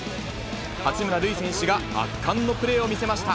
八村塁選手が圧巻のプレーを見せました。